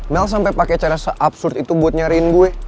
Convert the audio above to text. mel sampai pakai cara absurd itu buat nyariin gue